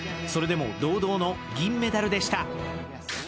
それでも堂々の銀メダルでした。